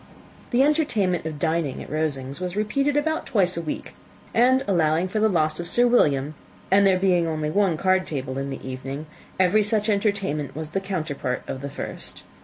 [Illustration: "he never failed to inform them" ] The entertainment of dining at Rosings was repeated about twice a week; and, allowing for the loss of Sir William, and there being only one card table in the evening, every such entertainment was the counterpart of the first.